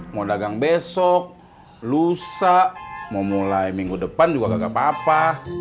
mau dagang besok lusa mau mulai minggu depan juga gak apa apa